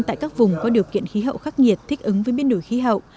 tại các vùng có điều kiện khí hậu khắc nghiệt thích ứng với biến đổi khí hậu